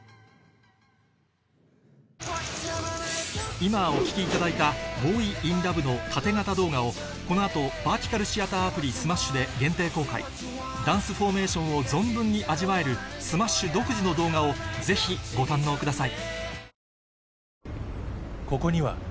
今お聴きいただいた『ＢｏｙＩｎＬｕｖ』の縦型動画をこの後バーティカルシアターアプリｓｍａｓｈ．で限定公開ダンスフォーメーションを存分に味わえるｓｍａｓｈ．独自の動画をぜひご堪能ください